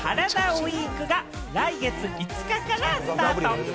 ＷＥＥＫが来月５日からスタート。